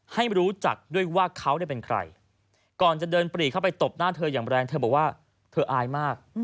ให้รู้จักด้วยว่าเขาเป็นใครก่อนจะเดินปรีเข้าไปตบหน้าเธออย่างแรงเธอบอกว่าเธออายมาก